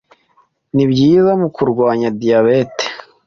Ni byiza mu kurwanya diyabete